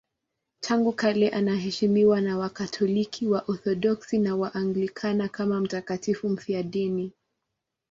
Tangu kale anaheshimiwa na Wakatoliki, Waorthodoksi na Waanglikana kama mtakatifu mfiadini.